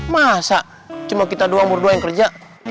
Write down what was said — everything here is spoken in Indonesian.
masa cuma kita dua umur dua yang kerja